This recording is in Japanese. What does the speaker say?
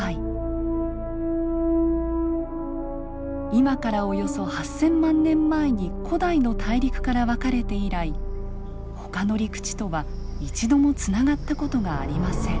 今からおよそ８，０００万年前に古代の大陸から分かれて以来ほかの陸地とは一度もつながった事がありません。